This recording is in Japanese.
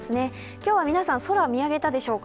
今日は皆さん、空を見上げたでしょうか。